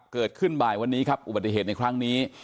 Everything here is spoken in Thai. เกิดขึ้นบ่ายวันนี้ครับอุบัติเหตุในครั้งนี้